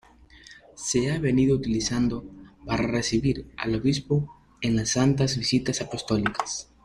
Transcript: Se ha venido utilizando para recibir al obispo en las Santas Visitas Apostólicas.